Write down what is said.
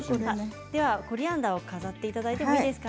コリアンダーを飾っていただいてもいいですか。